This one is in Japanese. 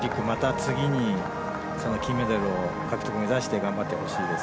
次に金メダル獲得を目指して頑張ってほしいです。